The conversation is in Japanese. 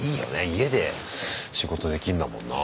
家で仕事できるんだもんな。